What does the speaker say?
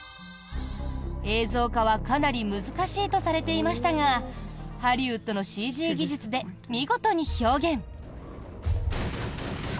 映像化はかなり難しいとされていましたがハリウッドのＣＧ技術で見事に表現。